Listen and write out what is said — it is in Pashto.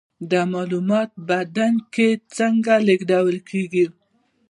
دا معلومات په بدن کې څنګه لیږدول کیږي